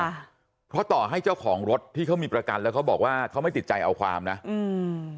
ค่ะเพราะต่อให้เจ้าของรถที่เขามีประกันแล้วเขาบอกว่าเขาไม่ติดใจเอาความนะอืม